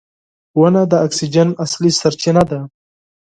• ونه د اکسیجن اصلي سرچینه ده.